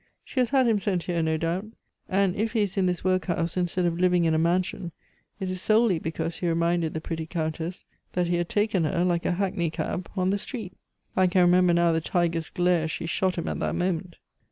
She has had him sent here, no doubt. And if he is in this workhouse instead of living in a mansion, it is solely because he reminded the pretty Countess that he had taken her, like a hackney cab, on the street. I can remember now the tiger's glare she shot at him at that moment."